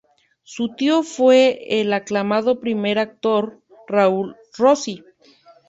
Su tío fue el aclamado primer actor Raúl Rossi.